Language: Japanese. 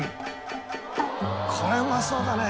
これうまそうだね。